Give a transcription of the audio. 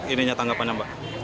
ininya tanggapannya mbak